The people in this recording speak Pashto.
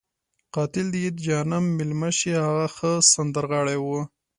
قاتل دې یې د جهنم میلمه شي، هغه ښه سندرغاړی وو.